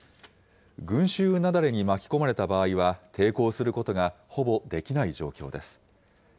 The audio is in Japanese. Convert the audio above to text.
群集雪崩に巻き込まれた場合は、抵抗することがほぼできない状況です。